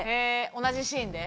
同じシーンで？